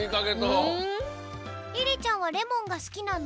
リリちゃんはレモンがすきなの？